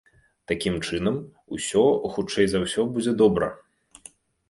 Такім чынам, усё, хутчэй за ўсё, будзе добра.